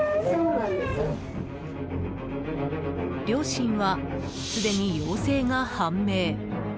両親は、すでに陽性が判明。